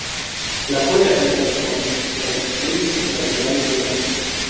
La cola es negra con rectrices laterales blancas.